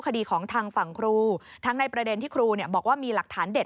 คดีของทางฝั่งครูทั้งในประเด็นที่ครูบอกว่ามีหลักฐานเด็ด